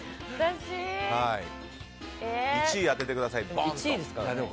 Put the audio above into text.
１位を当ててください。